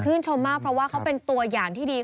ชมมากเพราะว่าเขาเป็นตัวอย่างที่ดี